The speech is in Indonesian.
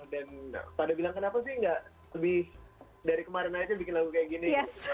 dan pada bilang kenapa sih gak lebih dari kemarin aja bikin lagu kayak gini